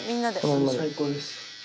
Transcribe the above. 最高です。